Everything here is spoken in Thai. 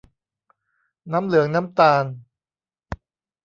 น้ำเหลืองน้ำตาล